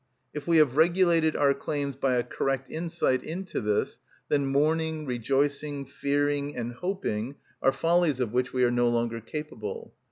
If we have regulated our claims by a correct insight into this, then mourning, rejoicing, fearing, and hoping are follies of which we are no longer capable.